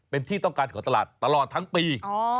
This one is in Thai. เป็นที่ต้องการของตลาดตลอดทั้งปี